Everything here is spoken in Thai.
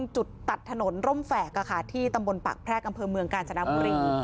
จุดตัดถนนร่มแฝกที่ตำบลปากแพรกอำเภอเมืองกาญจนบุรี